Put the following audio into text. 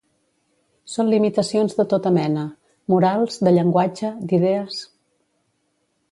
Són limitacions de tota mena: morals, de llenguatge, d'idees.